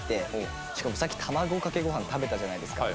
しかもさっき卵かけご飯食べたじゃないですか。